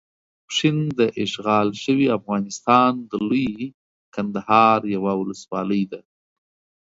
پشین داشغال شوي افغانستان د لويې کندهار یوه ولسوالۍ ده.